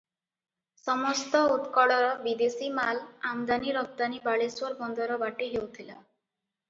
ସମସ୍ତ ଉତ୍କଳର ବିଦେଶୀ ମାଲ ଆମଦାନି ରପ୍ତାନି ବାଲେଶ୍ୱର ବନ୍ଦର ବାଟେ ହେଉଥିଲା ।